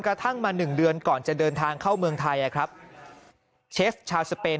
กระทั่งมาหนึ่งเดือนก่อนจะเดินทางเข้าเมืองไทยเชฟชาวสเปน